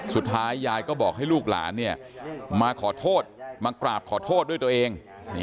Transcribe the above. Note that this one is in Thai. สุดท้ายยายก็บอกให้ลูกหลานมาขอโทษมากราบขอโทษด้วยตัวเอง